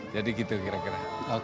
jadi gitu kira kira